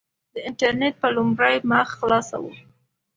د انټرنېټ په لومړۍ مخ خلاصه وه.